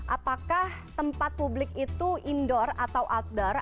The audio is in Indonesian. apakah tempat publik itu indoor atau outdoor